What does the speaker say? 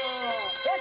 よし。